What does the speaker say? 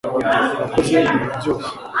wakoze ibi byose